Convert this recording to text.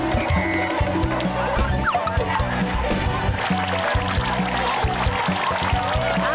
พี่หนุ่ยไปแล้ว